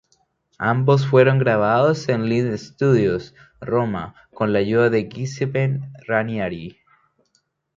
Ambos fueron grabados en Lead Studios, Roma, con la ayuda de Giuseppe Ranieri.